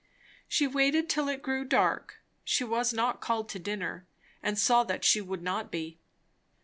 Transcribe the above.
She waited till it grew dark. She was not called to dinner, and saw that she would not be.